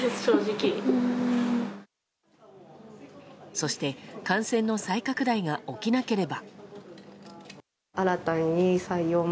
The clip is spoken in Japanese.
そして、感染の再拡大が起きなければ。